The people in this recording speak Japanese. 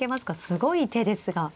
すごい手ですが。